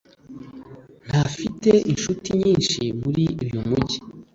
ntafite inshuti nyinshi muri uyu mujyi